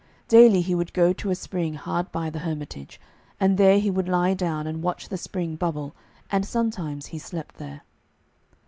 Daily he would go to a spring hard by the hermitage, and there he would lie down and watch the spring bubble, and sometimes he slept there.